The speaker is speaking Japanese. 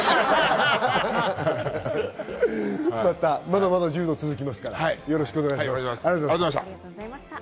まだまだ柔道は続きますから、またよろしくお願いします。